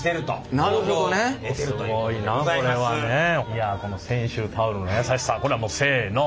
いやこの泉州タオルの優しさこれはもうせの。